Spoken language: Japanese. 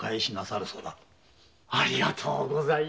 ありがとうございます。